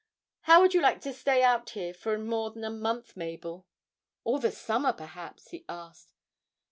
'How would you like to stay out here more than a month, Mabel all the summer, perhaps?' he asked.